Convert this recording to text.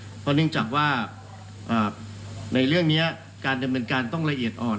เพราะเนื่องจากว่าในเรื่องนี้การดำเนินการต้องละเอียดอ่อน